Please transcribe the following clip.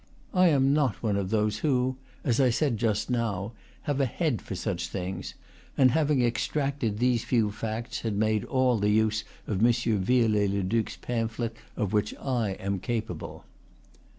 I am not one of those who, as I said just now, have a head for such things, and having extracted these few facts had made all the use of M. Viollet le Duc's, pamphlet of which I was cap able.